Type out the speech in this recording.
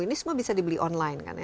ini semua bisa dibeli online kan ya